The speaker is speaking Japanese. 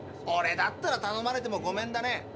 オレだったらたのまれてもごめんだね。